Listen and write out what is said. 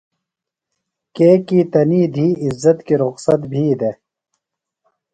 کیکیۡ تنی دِھی عزت کی رخصت بھی دےۡ۔